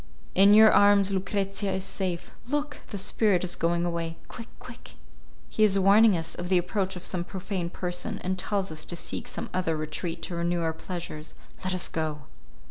In your arms Lucrezia is safe. Look! the spirit is going away. Quick, quick! He is warning us of the approach of some profane person, and tells us to seek some other retreat to renew our pleasures. Let us go."